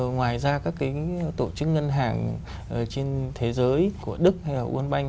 ngoài ra các cái tổ chức ngân hàng trên thế giới của đức hay là nguồn banh